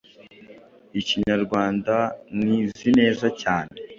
Ikinyarwanda Nkizi neza cyane